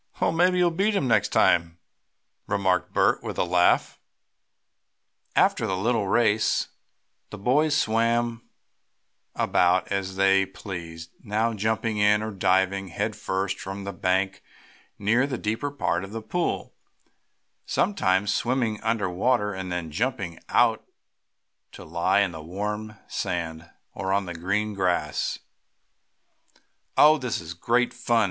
"Well, maybe you'll beat him next time," remarked Bert, with a laugh. After the little race the boys swam about as they pleased, now jumping in, or diving head first from the bank near the deeper part of the pool, sometimes swimming under water, and then jumping out to lie in the warm sand, or on the green grass. "Oh, this is great fun!"